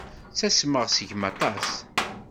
Ttasmeɣ seg-m aṭas.